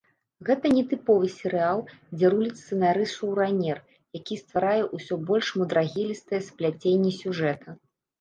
Гэта не тыповы серыял, дзе руліць сцэнарыст-шоўранер, які стварае ўсё больш мудрагелістыя спляценні сюжэта.